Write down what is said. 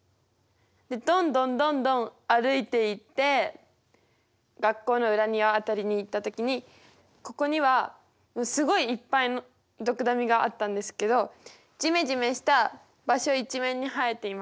どんどんどんどん歩いていって学校の裏庭辺りに行った時にここにはすごいいっぱいドクダミがあったんですけどじめじめした場所一面に生えていました。